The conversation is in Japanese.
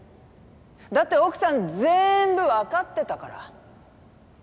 だって奥さん全部わかってたから。